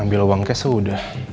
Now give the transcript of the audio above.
ambil uangnya sudah